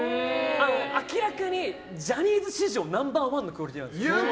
明らかにジャニーズ史上ナンバー１のクオリティーなんです。